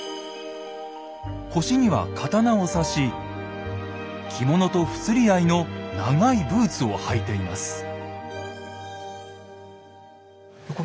腰には刀を差し着物と不釣り合いの長いブーツを履いています。